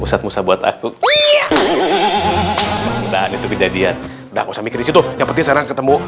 ustadz musa buat aku iya dan itu beda dia udah usah mikir di situ yang penting sekarang ketemu